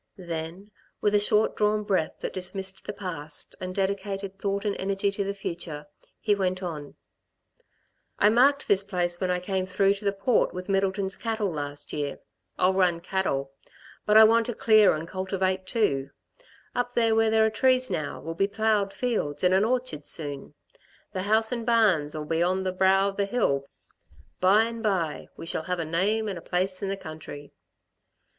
Then, with a short drawn breath that dismissed the past and dedicated thought and energy to the future, he went on: "I marked this place when I came through to the Port with Middleton's cattle, last year. I'll run cattle but I want to clear and cultivate too. Up there where there are trees now will be ploughed fields and an orchard soon. The house and barns'll be on the brow of the hill. By and by ... we shall have a name and a place in the country."